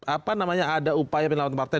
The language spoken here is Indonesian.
apa namanya ada upaya penyelamatan partai